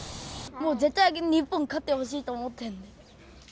もう絶対日本勝ってほしいと思ってるの。